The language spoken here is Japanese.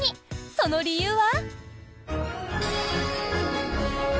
その理由は？